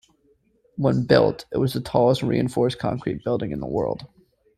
When built, it was the tallest reinforced concrete building in the world.